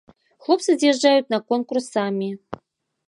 Хлопцы з'язджаюць на конкурс самі.